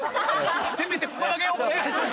せめてここだけお願いします。